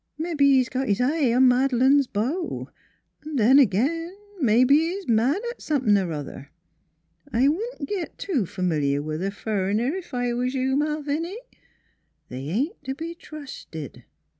Mebbe he's got his eye on Mad' lane's beau; an' then ag'in, mebbe's he's mad at somethin' er other. I wouldn't git too f'miliar with a fur'ner, ef I was you, Malviny. They ain't t' be trusted."